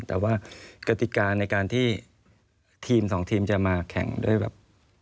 แต่ว่ากติกาในการที่ทีมสองทีมจะมาแข่งด้วยแบบ